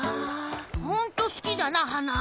・ほんとすきだなはな。